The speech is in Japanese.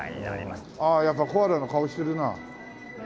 ああやっぱコアラの顔してるな。